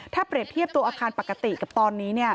ถ้าเปรียบเทียบตัวอาคารปกติกับตอนนี้